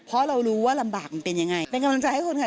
เพราะเรารู้ว่าลำบากมันเป็นยังไงเป็นกำลังใจให้คุณค่ะ